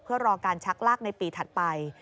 เพื่อรอการชักลากในปีถัดไป